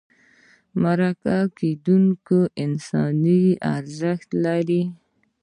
مرکه کېدونکی انساني ارزښت لري.